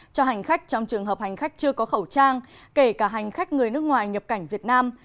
cho hành khách trong trường hợp hành khách chưa có khẩu trang kể cả hành khách người nước ngoài nhập cảnh việt nam